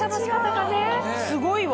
すごいわ。